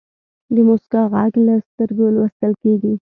د موسکا ږغ له سترګو لوستل کېږي.